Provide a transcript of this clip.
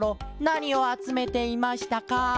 なにをあつめていましたか？